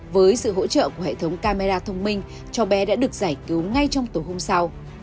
với sự hỗ trợ của hệ thống camera thông minh cháu bé đã được giải cứu ngay trong tối hôm sau